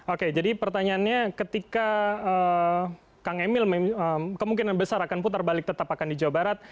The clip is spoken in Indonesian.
oke jadi pertanyaannya ketika kang emil kemungkinan besar akan putar balik tetap akan di jawa barat